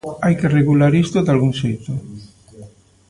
Hai que regular isto dalgún xeito.